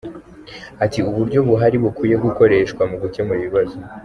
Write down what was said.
Ati “Uburyo buhari bukwiye gukoreshwa mu gukemura ibibazo.